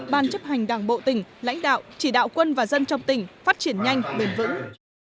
ban chấp hành đảng bộ tỉnh lãnh đạo chỉ đạo quân và dân trong tỉnh phát triển nhanh bền vững